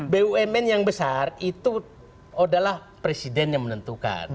bumn yang besar itu adalah presiden yang menentukan